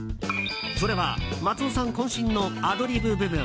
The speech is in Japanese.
それは松尾さん渾身のアドリブ部分。